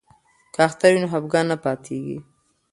که اختر وي نو خفګان نه پاتیږي.